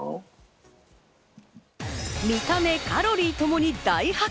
見た目、カロリーともに大迫